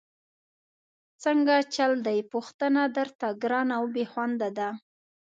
څنګه چل دی، پوښتنه درته ګرانه او بېخونده ده؟!